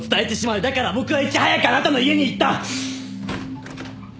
だから僕はいち早くあなたの家に行った！